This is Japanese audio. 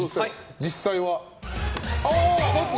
実際は。